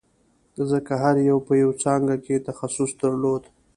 ځکه هر یوه په یوه څانګه کې تخصص درلود